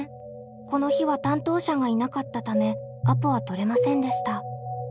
この日は担当者がいなかったためアポは取れませんでした。